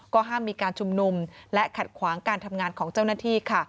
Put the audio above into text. ก็ห้ามมีการชุมนุมและขัดขวางการทำงานของเจ้าหน้าที่ค่ะ